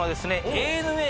ＡＮＡ